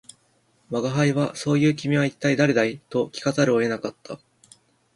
吾輩は「そう云う君は一体誰だい」と聞かざるを得なかった